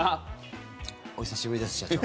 お久しぶりです、社長。